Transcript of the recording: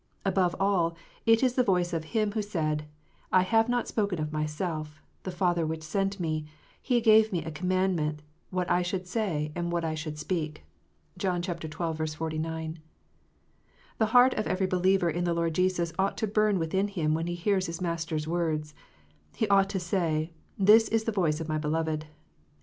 Above all, it is the voice of Him who said, " I have not spoken of Myself : the Father which sent Me, He gave Me a commandment what I should say and what I should speak." (John xii. 49.) The heart of every believer in the Lord Jesus ought to burn within him when he hears his Master s words : he ought to say, " This is the voice of my beloved."